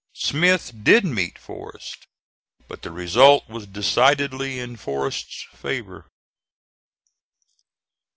Smith did meet Forrest, but the result was decidedly in Forrest's favor.